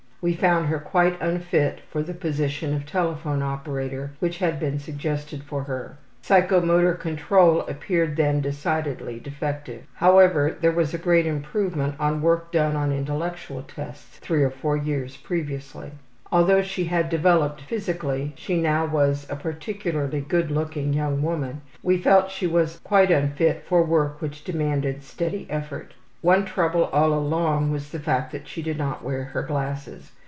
We found her quite unfit for the position of telephone operator which had been suggested for her. Psychomotor control appeared then decidedly defective. However, there was great improvement on work done on intellectual tests two or three years previously. Although she had developed physically (she now was a particularly good looking young woman) we felt she was quite unfit for work which demanded steady effort. One trouble all along was the fact that she did not wear her glasses.